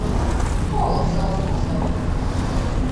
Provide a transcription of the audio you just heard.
Kolosāls nosaukums.